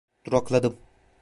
Durakladım.